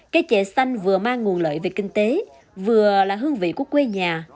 cây trè xanh vừa mang nguồn lợi về kinh tế vừa là hương vị của quê nhà